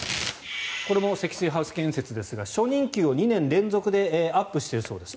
これも積水ハウス建設ですが初任給を２年連続でアップしているそうです。